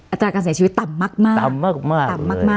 อัตราการเสียชีวิตต่ำมากเลยต่ำมาก